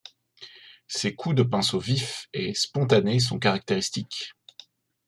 Ses coups de pinceau vifs et spontanés sont caractéristiques.